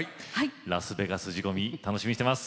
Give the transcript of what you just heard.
ラスベガス仕込み楽しみにしてます。